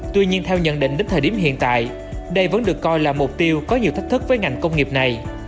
tuy nhiên theo nhận định đến thời điểm hiện tại đây vẫn được coi là mục tiêu có nhiều thách thức với ngành công nghiệp này